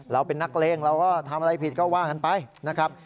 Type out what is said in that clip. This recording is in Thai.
เราก็ทำอะไรผิดก็ว่ากันไปนะครับ